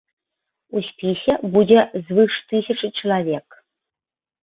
У спісе будзе звыш тысячы чалавек.